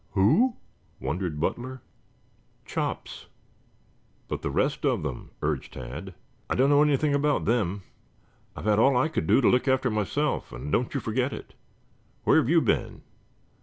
"Who?" wondered Butler. "Chops." "But the rest of them?" urged Tad. "I don't know anything about them. I've had all I could do to look after myself, and don't you forget it. Where have you been?"